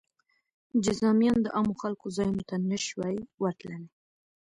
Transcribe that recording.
جذامیان د عامو خلکو ځایونو ته نه شوای ورتلی.